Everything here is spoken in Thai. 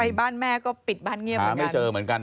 ไปบ้านแม่ก็ปิดบ้านเงียบเหมือนกัน